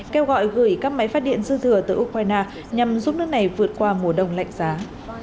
kêu gọi gửi các máy phát điện dư thừa tới ukraine nhằm giúp nước này vượt qua mùa đông lạnh giá